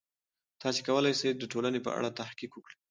تاسې کولای سئ د ټولنې په اړه تحقیق وکړئ.